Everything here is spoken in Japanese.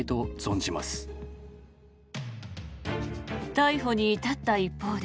逮捕に至った一方で